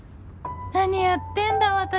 何やってんだ私